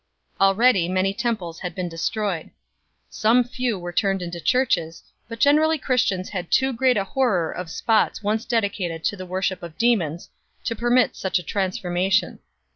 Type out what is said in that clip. Already many temples had been de stroyed 4 . Some few were turned into churches, but gene rally Christians had too great a horror of spots once dedi cated to the worship of demons to permit such a trans formation.